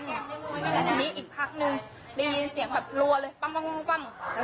นี่อีกพักนึงได้ยินเสียงแบบรัวเลยปั้ง